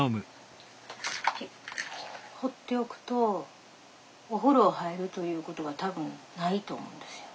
放っておくとお風呂入るという事は多分ないと思うんですよ。